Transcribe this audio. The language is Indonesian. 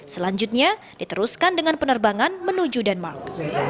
selanjutnya diteruskan dengan penerbangan menuju denmark